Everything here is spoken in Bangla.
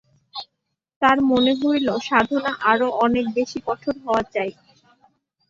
তার মনে হইল, সাধনা আরো অনেক বেশি কঠোর হওয়া চাই।